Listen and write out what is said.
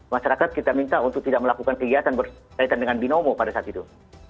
masyarakat kita minta untuk tidak melakukan kegiatan berkaitan dengan binomo pada saat itu